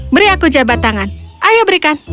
beri aku jabat tangan ayo berikan